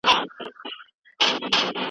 آيا موږ د يوې سالمې ټولني هيله لرو؟